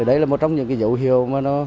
đấy là một trong những dấu hiệu